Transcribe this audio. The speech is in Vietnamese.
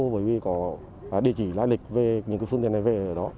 bởi vì có địa chỉ lai lịch về những phương tiện này về ở đó